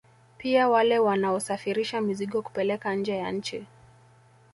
Pia wale wanaosafirisha mizigo kupeleka nje ya nchi